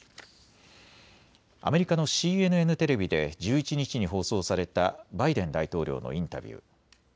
アメリカのＣＮＮテレビで１１日に放送されたバイデン大統領のインタビュー。